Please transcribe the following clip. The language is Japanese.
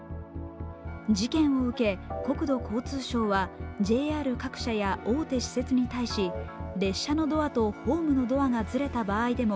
事件を受け、国土交通省はＪＲ各社や大手私鉄に対し、列車のドアとホームのドアがずれた場合でも